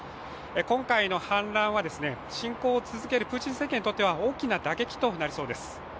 今回の反乱は、侵攻を続けるプーチン政権にとっては大きな打撃となりそうです。